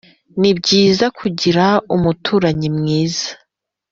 Nibyiza kugira umuturanyi mwiza